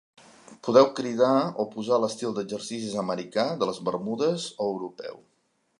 Podeu cridar o posar l'estil d'exercicis americà, de les Bermudes o europeu.